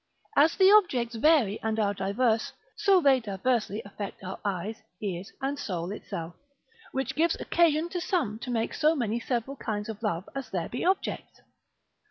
As the objects vary and are diverse, so they diversely affect our eyes, ears, and soul itself. Which gives occasion to some to make so many several kinds of love as there be objects.